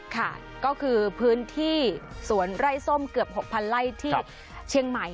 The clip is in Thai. ค่ะก็คือพื้นที่สวนไร่ส้มเกือบ๖๐๐ไร่ที่เชียงใหม่